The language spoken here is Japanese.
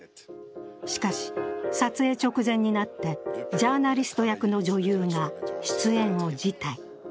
しかし撮影直前になってジャーナリスト役の女優が出演を辞退。